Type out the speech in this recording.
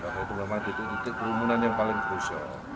karena itu memang titik titik kerumunan yang paling crucial